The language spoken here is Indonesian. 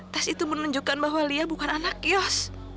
tes itu menunjukkan bahwa lia bukan anak kios